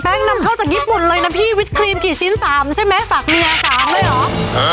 นำเข้าจากญี่ปุ่นเลยนะพี่วิดครีมกี่ชิ้น๓ใช่ไหมฝากเมีย๓เลยเหรอ